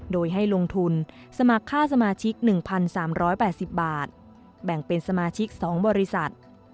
โดยให้ลงทุนสมัครค่าสมาชิก๑๓๘๐บาทแบ่งเป็นสมาชิก๒บริษัท